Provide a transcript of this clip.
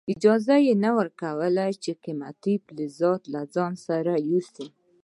اجازه یې نه لرله چې قیمتي فلزات له ځان سره یوسي.